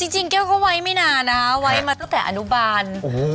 แก้วก็ไว้ไม่นานนะไว้มาตั้งแต่อนุบาล